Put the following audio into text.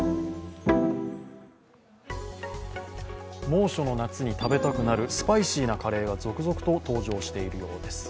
猛暑の夏に食べたくなるスパイシーなカレーが続々と登場しているようです。